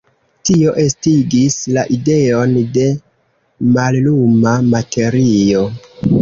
Tio estigis la ideon de malluma materio.